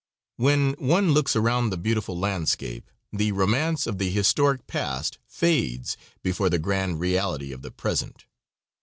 When one looks around the beautiful landscape, the romance of the historic past fades before the grand reality of the present.